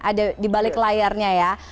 ada di balik layarnya ya